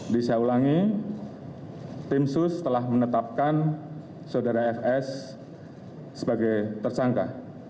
dan saya ulangi tim sus telah menetapkan saudara fs sebagai tersangka